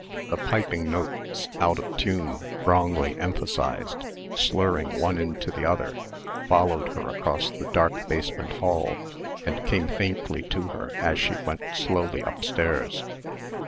The piping notes, out of tune, wrongly emphasised, slurring one into the other, followed her across the dark basement hall and came faintly to her as she went slowly upstairs.